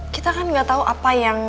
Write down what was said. kita kan gak tau apa yang